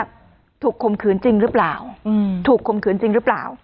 ถูกคมขืนจริงหรือเปล่าถูกคมขืนจริงหรือเปล่า